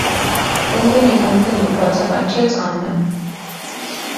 - Կընկնի, կընկնի,- բացականչեց Աննան: